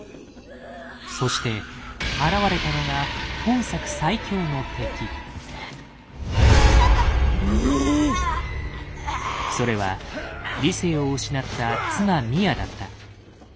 そして現れたのが本作それは理性を失った妻・ミアだった。